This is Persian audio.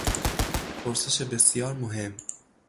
پرسش بسیار مهم